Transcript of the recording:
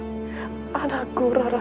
seh dimana anakku rara santang